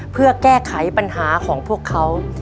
เพื่อแก้ไขปัญหาของพวกเขา